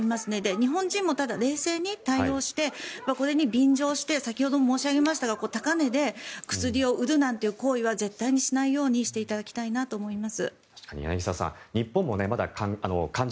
日本人もただ冷静に対応してこれに便乗して先ほども申し上げましたが高値で薬を売るなんていう行為は絶対にしないようにしてほしいと思います。